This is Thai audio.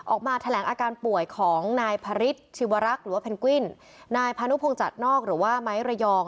ออกมาแถลงอาการป่วยของนายพระฤทธิวรักษ์หรือว่าเพนกวินนายพานุพงจัดนอกหรือว่าไม้ระยอง